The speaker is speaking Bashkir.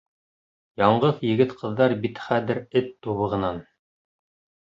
Яңғыҙ егет-ҡыҙҙар бит хәҙер эт тубығынан.